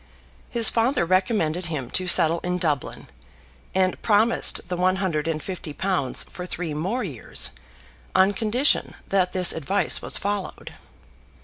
His father recommended him to settle in Dublin, and promised the one hundred and fifty pounds for three more years, on condition that this advice was followed.